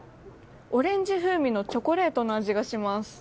オレンジ風味のチョコレートの味がします。